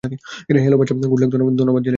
Hello, বাচ্চা, good luck, - ধন্যবাদ, জলি জি।